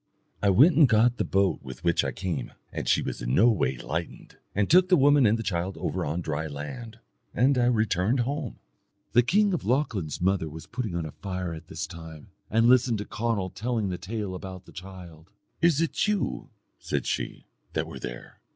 I went and got the boat with which I came, and she was no way lightened, and took the woman and the child over on dry land; and I returned home." The king of Lochlann's mother was putting on a fire at this time, and listening to Conall telling the tale about the child. "Is it you," said she, "that were there?"